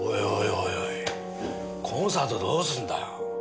おいおいコンサートどうすんだよ？